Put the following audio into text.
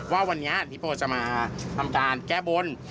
ว่าวันนี้พี่โพจะมาทำการแก้บน